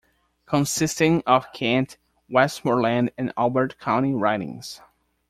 Consisting of Kent, Westmorland and Albert county ridings.